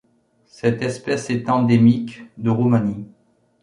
Cette espèce est endémique de Roumanie.